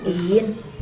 gak usah nanya